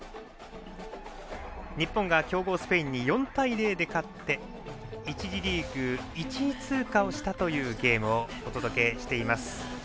日本が強豪スペインに４対０で勝って１次リーグ１位通過をしたというゲームをお届けしています。